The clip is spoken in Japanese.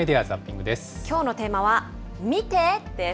きょうのテーマは、柿？